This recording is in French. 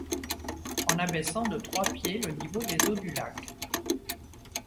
En abaissant de trois pieds le niveau des eaux du lac.